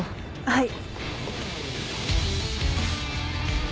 はい。